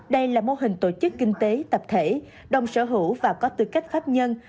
đây là mô hình tổ chức kinh tế tập thể đồng sở hữu và có tư cách phát minh